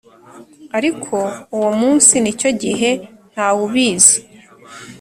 Ariko uwo munsi n icyo gihe nta wubizi